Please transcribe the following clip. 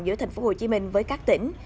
giữa thành phố hồ chí minh với các tỉnh